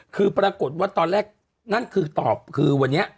คือปรากฏว่าตอนแรกนั่นคือตอบคือวันนี้